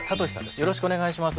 よろしくお願いします。